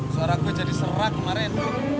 suara aku jadi serak kemarin